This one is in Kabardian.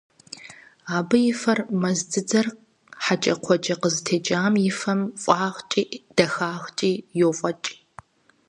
Абы и фэр мэз дзыдзэр хьэкӀэкхъуэкӀэ къызытехъукӀам и фэм фӀагъкӀи дахагъкӀи йофӀэкӀ.